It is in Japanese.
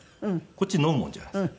こっち飲むもんじゃないですか。